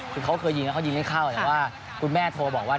คือเขาเคยยิงแล้วเขายิงไม่เข้าแต่ว่าคุณแม่โทรบอกว่า